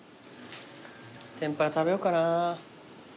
天ぷら食べようかな。